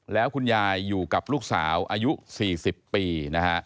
แล้วคุณยายอยู่กับลูกสาวอายุ๔๐ปีนะฮะ